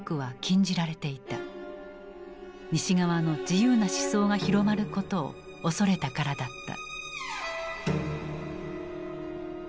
西側の自由な思想が広まることを恐れたからだった。